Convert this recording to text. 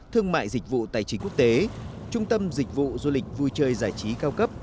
thương mại dịch vụ tài chính quốc tế trung tâm dịch vụ du lịch vui chơi giải trí cao cấp